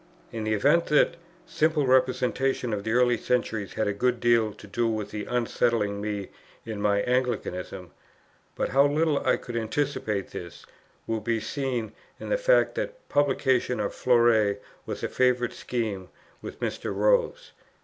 In the event, that simple representation of the early centuries had a good deal to do with unsettling me in my Anglicanism; but how little I could anticipate this, will be seen in the fact that the publication of Fleury was a favourite scheme with Mr. Rose.